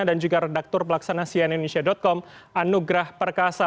dan juga redaktur pelaksana cnn indonesia com anugrah perkasa